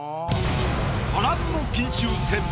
波乱の金秋戦。